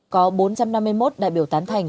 có bốn trăm năm mươi một đại biểu tán thành